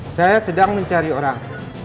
saya sedang mencari orang